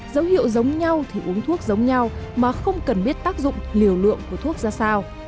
dấu hiệu giống nhau thì uống thuốc giống nhau mà không cần biết tác dụng liều lượng của thuốc ra sao